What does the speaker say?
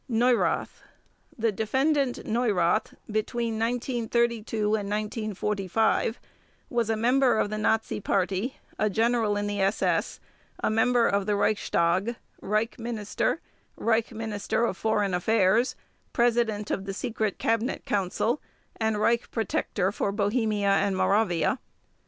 NEURATH: The Defendant NEURATH between 1932 and 1945 was: A member of the Nazi Party, a General in the SS, a member of the Reichstag, Reich Minister, Reich Minister of Foreign Affairs, President of the Secret Cabinet Council, and Reich Protector for Bohemia and Moravia.